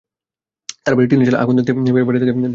তাঁরা বাড়ির টিনের চালায় আগুন দেখতে পেয়ে বাড়ি থেকে বের হয়ে আসেন।